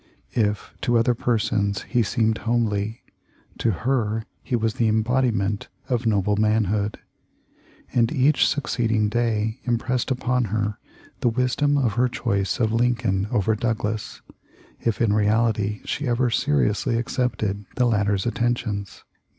If to other persons he seemed homely, to her he was the embodiment of noble manhood, and each succeeding day impressed upon her the wisdom of her choice of Lincoln over Douglas — if in reality she ever seriously accepted the latter's attentions.